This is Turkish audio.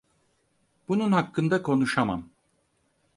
Bunun hakkında konuşamam.